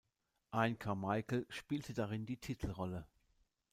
Ian Carmichael spielte darin die Titelrolle.